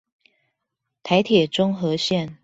臺鐵中和線